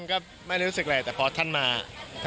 ก็ไม่ได้รู้สึกอะไรแต่พอท่านมา